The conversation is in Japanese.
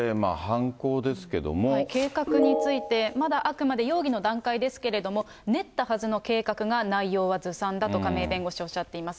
計画について、まだあくまで容疑の段階ですけれども、練ったはずの計画が、内容はずさんだと亀井弁護士おっしゃっています。